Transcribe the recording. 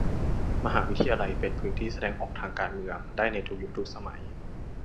มหาวิทยาลัยเป็นพื้นที่แสดงออกทางการเมืองได้ในทุกยุคทุกสมัย